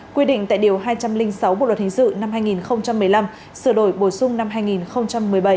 quy định tại điều hai trăm linh sáu bộ luật hình sự năm hai nghìn một mươi năm sửa đổi bổ sung năm hai nghìn một mươi bảy